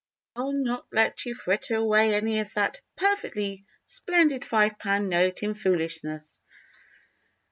I'll not let you fritter away any of that perfectly splendid five pound note in foolishness."